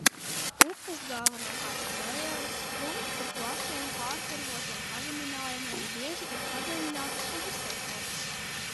Upes galvenokārt nelielas, plūst pa plašiem pārpurvotiem pazeminājumiem, bieži ir padziļinātas un iztaisnotas.